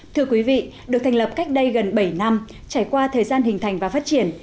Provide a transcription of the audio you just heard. thưa quý vị được thành lập cách đây gần bảy năm trải qua thời gian hình thành và phát triển